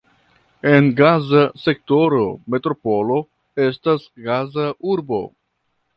En Gaza sektoro metropolo estas Gaza-urbo.